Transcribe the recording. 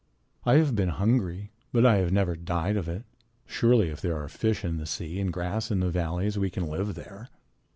I have been hungry, but I have never died of it. Surely if there are fish in the sea and grass in the valleys, we can live there.